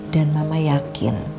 dan mama yakin